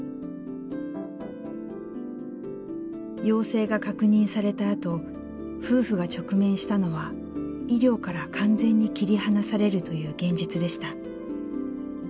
陽性が確認されたあと夫婦が直面したのは医療から完全に切り離されるという現実でした。